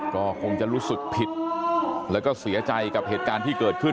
ก็คงจะรู้สึกผิดแล้วก็เสียใจกับเหตุการณ์ที่เกิดขึ้น